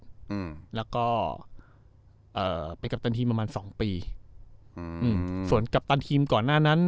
อืมแล้วก็เอ่อเป็นกัปตันทีมประมาณสองปีอืมอืมส่วนกัปตันทีมก่อนหน้านั้น